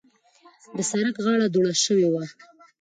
د سړک غاړه دوړه شوې وه.